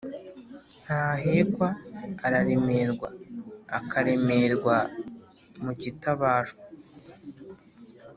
Ntahekwa: Araremerwa (akaremerwa mu kitabashwa)